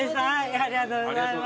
ありがとうございます。